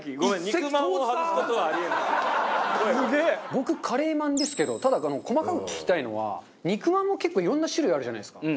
僕カレーまんですけどただ細かく聞きたいのは肉まんも結構いろんな種類あるじゃないですか。